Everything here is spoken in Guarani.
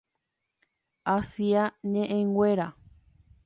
Asia ñe'ẽnguéra.